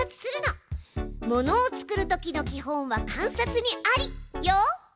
「ものを作るときの基本は観察にあり」よ！